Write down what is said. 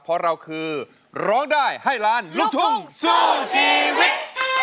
เพราะเราคือร้องได้ให้ล้านลูกทุ่งสู้ชีวิต